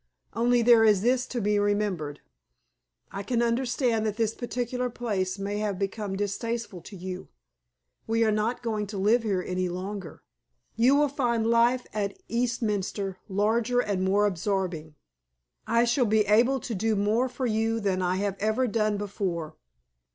Only there is this to be remembered I can understand that this particular place may have become distasteful to you. We are not going to live here any longer. You will find life at Eastminster larger and more absorbing. I shall be able to do more for you than I have ever done before."